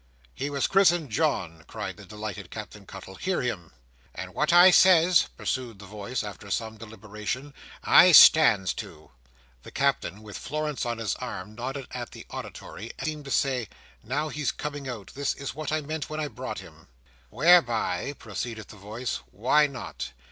"He was christened John," cried the delighted Captain Cuttle. "Hear him!" "And what I says," pursued the voice, after some deliberation, "I stands to." The Captain, with Florence on his arm, nodded at the auditory, and seemed to say, "Now he's coming out. This is what I meant when I brought him." "Whereby," proceeded the voice, "why not?